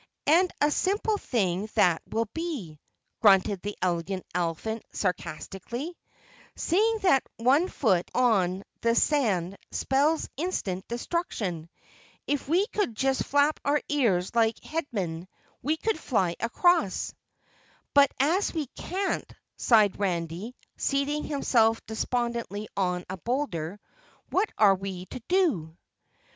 "And a simple thing that will be," grunted the Elegant Elephant sarcastically, "seeing that one foot on the sand spells instant destruction. If we could just flap our ears like the Headmen, we could fly across." "But as we can't," sighed Randy, seating himself despondently on a boulder. "What are we to do?"